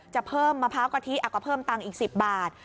จะเพิ่มมะพร้าวกะทิก็เพิ่มตังค์อีก๑๐บาท